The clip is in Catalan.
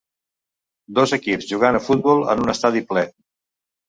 Dos equips jugant a futbol en un estadi ple.